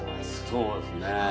そうですね。